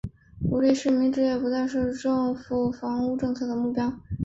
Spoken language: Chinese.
鼓励市民置业再不是政府房屋政策的目标。